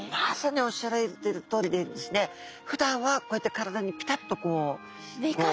まさにおっしゃられてるとおりですねふだんはこうやって体にピタッと。